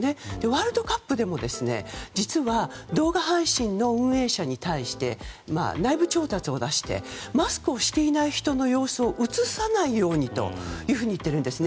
ワールドカップでも実は動画配信の運営者に対して内部調達を出してマスクをしていない人の様子を映さないようにと言ってるんです。